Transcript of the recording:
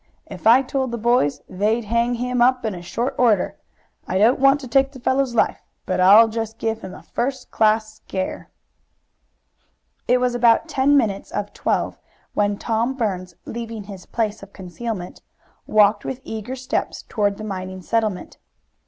If I told the boys they'd hang him up in short order. I don't want to take the fellow's life, but I'll give him a first class scare." It was about ten minutes of twelve when Tom Burns, leaving his place of concealment, walked with eager steps toward the mining settlement.